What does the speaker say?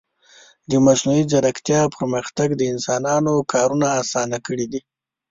د مصنوعي ځیرکتیا پرمختګ د انسانانو کارونه آسانه کړي دي.